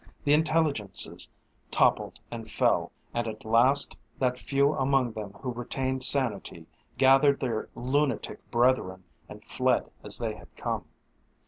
The intelligences toppled and fell, and at last that few among them who retained sanity gathered their lunatic brethren and fled as they had come.